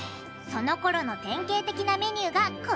そのころの典型的なメニューがこちら。